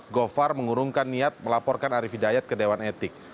govar mengurungkan niat melaporkan arif hidayat kedewan etik